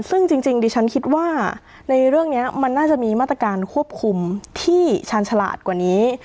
ซึ่งจริงดิฉันคิดว่าในเรื่องนี้มันน่าจะมีมาตรการควบคุมที่ชาญฉลาดกว่านี้